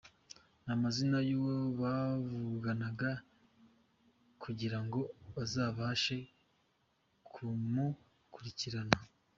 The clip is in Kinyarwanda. n’amazina y’uwo bavuganaga kugira ngo bazabashe kumukurikirana.